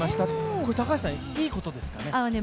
これ高橋さん、いいことですかね。